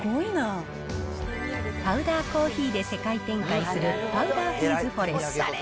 パウダーコーヒーで世界展開するパウダーフーズフォレスト。